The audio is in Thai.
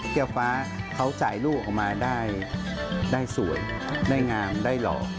ฟ้าเขาจ่ายลูกออกมาได้สวยได้งามได้หล่อ